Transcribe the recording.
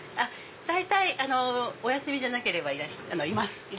大体お休みじゃなければいます。